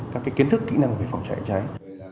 các kiến thức kỹ năng về phòng cháy cháy